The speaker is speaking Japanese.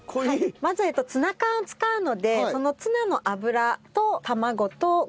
まずツナ缶を使うのでそのツナの油と。